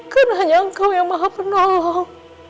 karena hanya engkau yang maha penolong